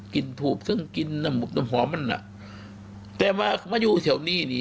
กินผูบซึ้งกินน้ำหมุบน้ำหอมอนน่ะแต่ว่ามาอยู่แถวนี้นี่